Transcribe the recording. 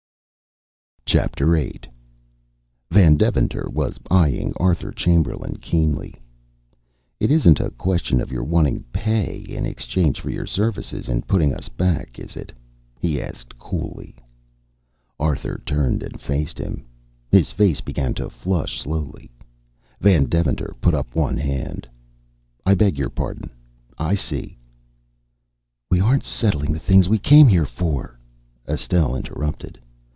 VIII. Van Deventer was eying Arthur Chamberlain keenly. "It isn't a question of your wanting pay in exchange for your services in putting us back, is it?" he asked coolly. Arthur turned and faced him. His face began to flush slowly. Van Deventer put up one hand. "I beg your pardon. I see." "We aren't settling the things we came here for," Estelle interrupted.